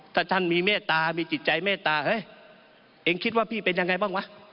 ถ้าท่านมีเมตตามีจิตใจเมตตาเฮ้ยเองคิดว่าพี่เป็นยังไงบ้างวะ